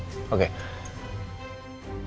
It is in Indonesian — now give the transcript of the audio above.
terima kasih pak